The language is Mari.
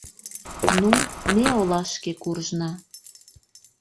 Ну, ме олашке куржна.